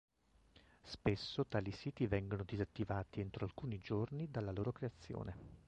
Spesso tali siti vengono disattivati entro alcuni giorni dalla loro creazione.